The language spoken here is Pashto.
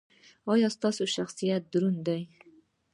ایا ستاسو شخصیت دروند دی؟